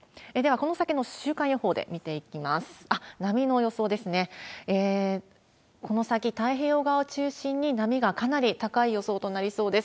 この先、太平洋側を中心に波がかなり高い予想となりそうです。